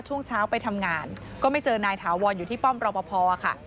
ช่วงเช้าไปทำงานก็ไม่เจอนายถาวรอยู่ที่ป้อมรอปภค่ะ